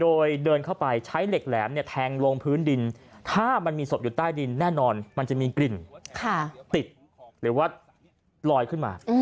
โดยเดินเข้าไปใช้เหล็กแหลมแทงลงพื้นดินถ้ามันมีศพอยู่ใต้ดินแน่นอนมันจะมีกลิ่นติดหรือว่าลอยขึ้นมา